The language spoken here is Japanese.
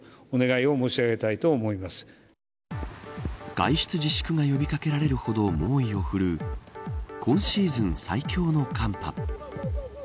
外出自粛が呼び掛けられるほど猛威を振るう今シーズン最強の寒波。